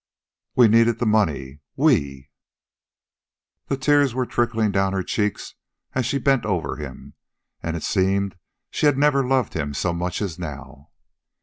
We needed the money. WE! The tears were trickling down her checks as she bent over him, and it seemed she had never loved him so much as now.